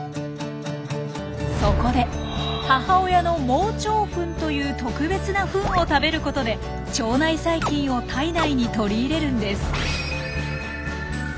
そこで母親の盲腸糞という特別な糞を食べることで腸内細菌を体内に取り入れるんです。